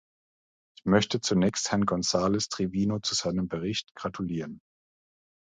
Ich möchte zunächst Herrn Gonzalez Trivino zu seinem Bericht gratulieren.